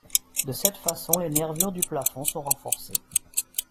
De cette façon les nervures du plafond sont renforcées.